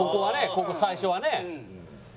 ここ最初はね。